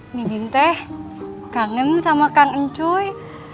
mimin teh kangen sama kangen cuy